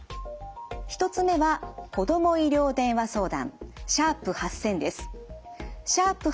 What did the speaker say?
１つ目は子ども医療でんわ相談。